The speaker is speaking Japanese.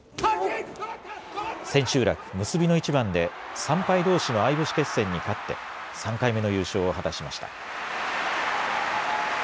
千秋楽結びの一番で３敗どうしの相星決戦に勝って３回目の優勝を果たしました。